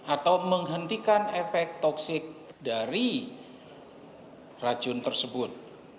atau menghentikan efek toksik dari racun tersebut